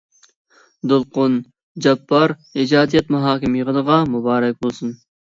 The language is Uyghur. دولقۇن جاپپار ئىجادىيەت مۇھاكىمە يېغىنىغا مۇبارەك بولسۇن.